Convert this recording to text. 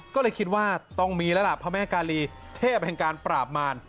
ก็เลยคิดว่าต้องมีแล้วล่ะพระแม่กาลีเทพแห่งการปราบมาร